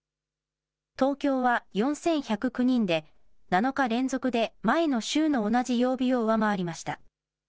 東京は４１０９人で、７日連続で前の週の同じ曜日を上回りました。